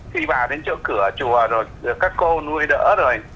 khi vào đến chỗ cửa chùa rồi được các cô nuôi đỡ rồi